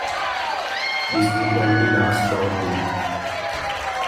This would only last shortly.